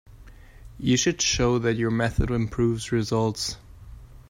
You should show that your method improves results.